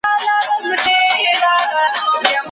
ولاړمه، په خوب کي دُردانې راپسي مه ګوره